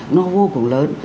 nó vô cùng lớn